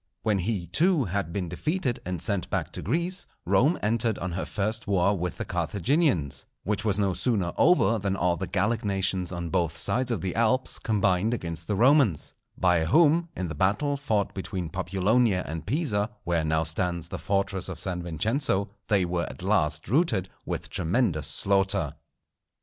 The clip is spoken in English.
When he, too, had been defeated, and sent back to Greece, Rome entered on her first war with the Carthaginians; which was no sooner over than all the Gallic nations on both sides of the Alps combined against the Romans, by whom, in the battle fought between Populonia and Pisa, where now stands the fortress of San Vincenzo, they were at last routed with tremendous slaughter.